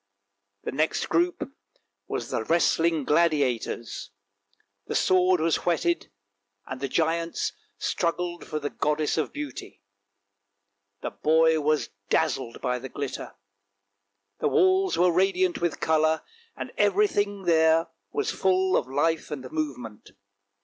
The next group was the Wrestling Gladiators; 336 ANDERSEN'S FAIRY TALES the sword was whetted, and the giants struggled for the goddess of beauty. The boy was dazzled by the glitter; the walls were radiant with colour, and everything there was full of life and movement.